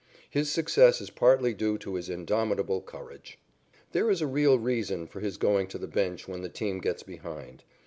His success is partly due to his indomitable courage. There is a real reason for his going to the bench when the team gets behind.